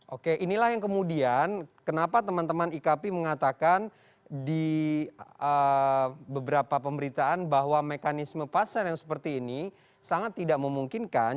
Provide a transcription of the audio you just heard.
oke inilah yang kemudian kenapa teman teman ikp mengatakan di beberapa pemberitaan bahwa mekanisme pasar yang seperti ini sangat tidak memungkinkan